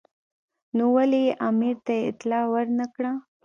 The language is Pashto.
نو ولې یې امیر ته اطلاع ور نه کړه.